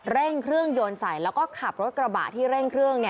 เร่งเครื่องยนต์ใส่แล้วก็ขับรถกระบะที่เร่งเครื่อง